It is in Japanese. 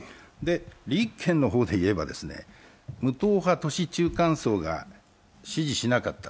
立憲の方でいえば、無党派・都市中間層が指示しなかった。